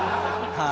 はい。